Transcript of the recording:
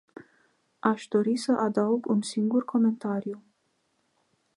Aș dori să adaug un singur comentariu.